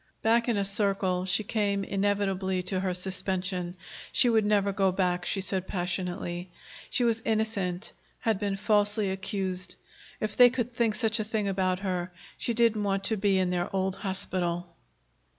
Back in a circle she came inevitably to her suspension. She would never go back, she said passionately. She was innocent, had been falsely accused. If they could think such a thing about her, she didn't want to be in their old hospital.